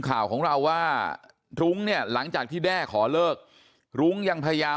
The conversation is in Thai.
ข่าวของเราว่ารุ้งเนี่ยหลังจากที่แด้ขอเลิกรุ้งยังพยายาม